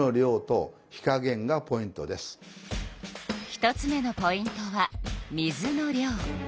１つ目のポイントは水の量。